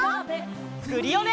クリオネ！